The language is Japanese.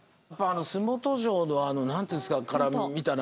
洲本城の何ていうんですかから見た大阪湾。